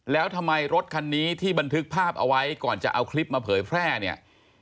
แล้วทำไมรถคันนี้ที่บันทึกภาพเอาไว้ก่อนจะเอาคลิปมาเผยแพร่เนี่ย